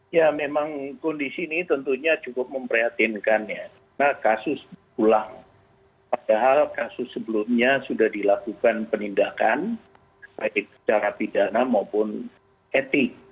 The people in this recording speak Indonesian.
ya memang kondisi ini tentunya cukup memprihatinkan ya karena kasus pulang padahal kasus sebelumnya sudah dilakukan penindakan baik secara pidana maupun etik